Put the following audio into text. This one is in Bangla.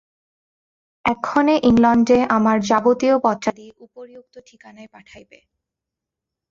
এক্ষণে ইংলণ্ডে আমার যাবতীয় পত্রাদি উপরিউক্ত ঠিকানায় পাঠাইবে।